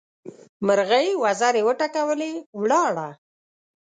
مرغۍ وزرې وټکولې؛ ولاړه.